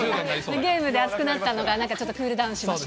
ゲームで熱くなったのが、なんかちょっとクールダウンしました。